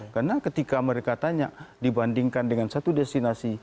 karena ketika mereka tanya dibandingkan dengan satu destinasi